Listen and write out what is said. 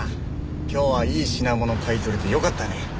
今日はいい品物買い取れてよかったね。